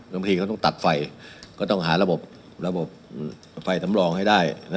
บางทีเขาต้องตัดไฟก็ต้องหาระบบระบบไฟสำรองให้ได้